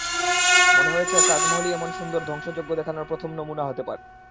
মনে হয়েছে তাজমহলই এমন সুন্দর ধ্বংসযজ্ঞ দেখানোর প্রথম নমুনা হতে পারে।